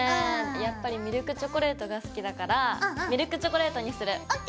やっぱりミルクチョコレートが好きだからミルクチョコレートにする！ＯＫ！